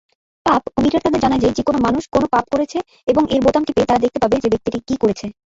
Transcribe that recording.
পাপ-ও-মিটার তাদের জানায় যে কোনও মানুষ কোনও পাপ করেছে এবং এর বোতাম টিপে তারা দেখতে পাবে যে ব্যক্তিটি কী করেছে।